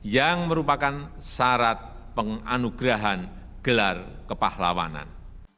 yang merupakan syarat penganugerahan gelar kepahlawanan